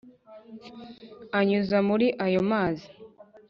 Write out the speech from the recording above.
anyuza muri ayo mazi